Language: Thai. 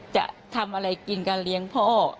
จะทำอะไรกินการเลี้ยงพ่อ